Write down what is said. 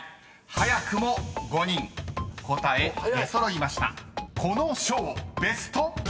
［早くも５人答え出揃いました］